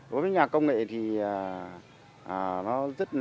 với nhà công nghệ thì